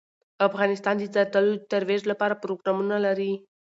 افغانستان د زردالو د ترویج لپاره پروګرامونه لري.